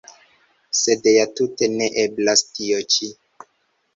Sed ja tute neeblas, tio ĉi.